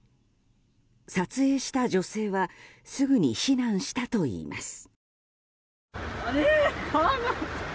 撮影した女性はすぐに避難したといいます。